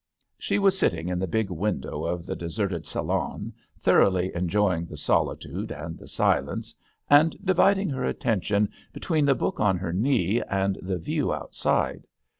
She was sitting in the big window of the deserted salon, thoroughly enjoying the solitude and the silence, and dividing her attention between the book on her knee and the view outside.